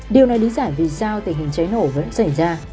điều này lý giải vì sao tình hình cháy nổ vẫn xảy ra